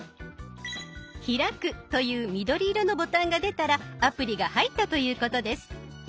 「開く」という緑色のボタンが出たらアプリが入ったということです。